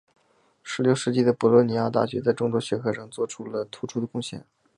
十六世纪的博洛尼亚大学在众多学科上做出了突出的贡献。